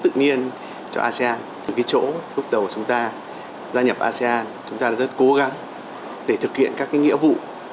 tự nhiên cho asean từ cái chỗ lúc đầu chúng ta gia nhập asean chúng ta rất cố gắng để thực hiện các nghĩa vụ